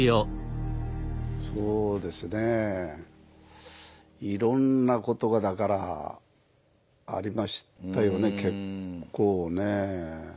そうですねいろんなことがだからありましたよね結構ね。